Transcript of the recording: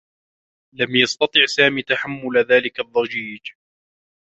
لم يستطع سامي تحمّل ذلك الضّجيج.